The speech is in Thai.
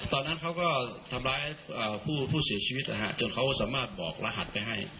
ตอนนั้นเขาก็ทำร้ายผู้เสียชีวิตจนเขาสามารถบอกรหัสไปให้